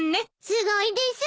すごいです！